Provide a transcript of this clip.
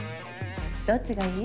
どっちがいい？